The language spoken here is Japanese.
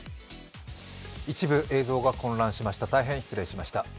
一部映像が混乱しました、大変失礼しました。